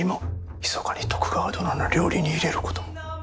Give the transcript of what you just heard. ひそかに徳川殿の料理に入れることも。